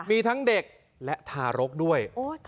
มีทั้งเด็กและทารกด้วย